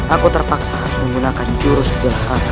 aku terpaksa menggunakan jurus belah aram